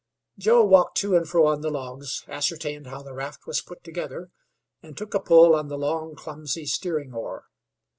Joe walked to and fro on the logs, ascertained how the raft was put together, and took a pull on the long, clumsy steering oar.